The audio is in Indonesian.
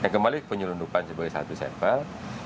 kembali penyelundupan sebagai satu sampel